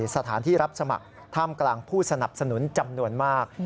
สถานที่รับสมัครท่ามกลางผู้สนับสนุนจำนวนมาก